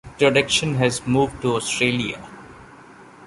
Production has moved to Australia.